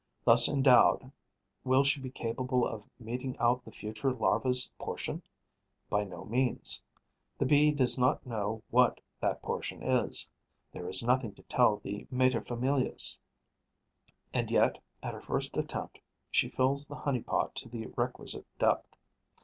Thus endowed, will she be capable of meting out the future's larva's portion? By no means. The Bee does not know what that portion is. There is nothing to tell the materfamilias; and yet, at her first attempt, she fills the honey pot to the requisite depth.